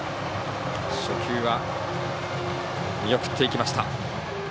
初球は見送っていきました。